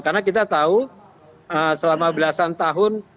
karena kita tahu selama belasan tahun